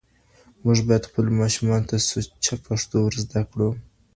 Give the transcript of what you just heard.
موږ باید خپلو ماشومانو ته سوچه پښتو ور زده کړو